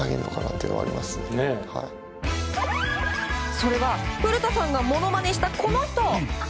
それは、古田さんがものまねしたこの人！